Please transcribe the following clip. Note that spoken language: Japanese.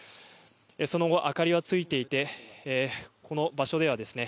その後、明かりがついていてこの場所ではですね